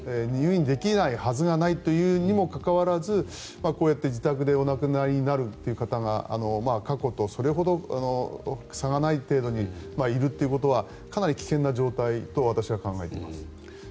入院できないはずがないというにもかかわらずこうやって自宅でお亡くなりになる方が過去とそれほど差がない程度にいるということはかなり危険な状態と私は考えています。